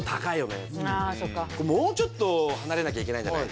「もうちょっと離れなきゃいけないんじゃない？」